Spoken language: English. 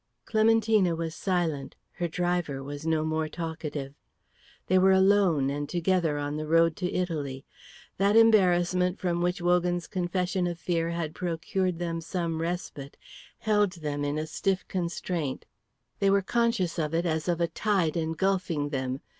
Clementina was silent; her driver was no more talkative. They were alone and together on the road to Italy. That embarrassment from which Wogan's confession of fear had procured them some respite held them in a stiff constraint. They were conscious of it as of a tide engulfing them.